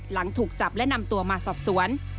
หลังถูกจับและนำตัวมาสอบสวน